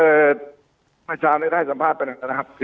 เอ่อมาเช้าได้สัมภาพกันนะครับ